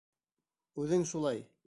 Үҙең шулай.